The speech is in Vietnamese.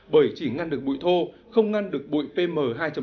bởi chỉ ngăn được bụi thô không ngăn được bụi pm hai